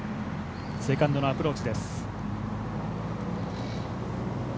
セカンドのアプローチです。